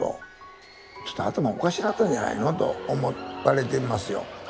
ちょっと頭おかしなったんじゃないのと思われてますよ。